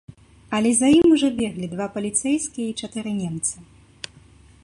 Але за ім ужо беглі два паліцэйскія і чатыры немцы.